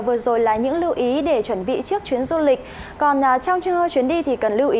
vừa rồi là những lưu ý để chuẩn bị trước chuyến du lịch còn trong chuyến đi thì cần lưu ý